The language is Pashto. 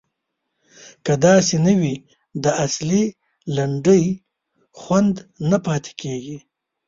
که داسې نه وي د اصیلې لنډۍ خوند نه پاتې کیږي.